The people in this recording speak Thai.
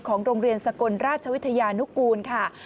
โรงเรียนสกลราชวิทยานุกูลค่ะ